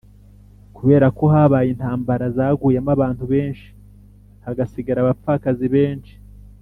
kubera ko habaye intambara zaguyemo abantu benshi hagasigara abapfakazi benshi